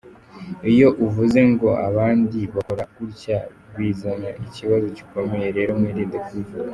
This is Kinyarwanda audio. Iyo uvuze ngo abandi bakora gutya Bizana ikibazo gikomeye rero mwirinde kubivuga.